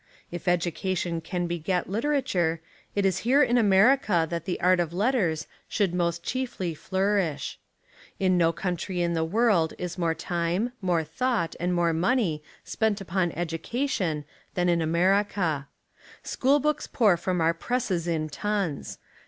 If education can beget literature, it is here in America that the art of letters should most chiefly flourish. In no country in the world is more time, more thought, and more money spent upon education than in America. School books pour from our presses in tons.